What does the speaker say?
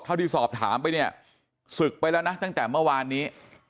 ที่สอบถามไปเนี่ยศึกไปแล้วนะตั้งแต่เมื่อวานนี้